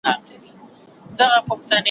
زه هره ورځ د سبا لپاره د نوي لغتونو يادوم!